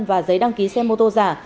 và giấy đăng ký xe mô tô giả